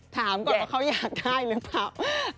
ถามก่อนว่าเขาอยากได้หรือเปล่า